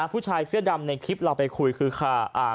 ผู้ชายเสื้อดำในคลิปเราไปคุยคือค่ะ